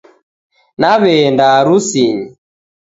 Naeweenda harusinyi